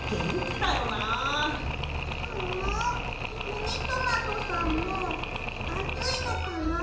ミニトマトさんもあついのかな？